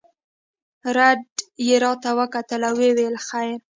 رډ يې راته وکتل ويې ويل خير.